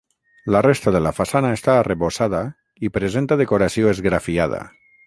La resta de la façana està arrebossada i presenta decoració esgrafiada.